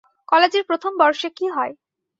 কলেজের প্রথম বর্ষে কী হয়?